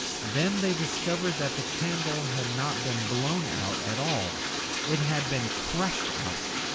Then they discovered that the candle had not been blown out at all; it had been crushed out.